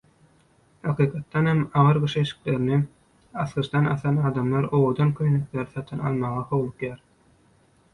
Hakykatdanam agyr gyş eşiklerini asgyçdan asan adamlar owadan köýnekleri satyn almaga howlugýar.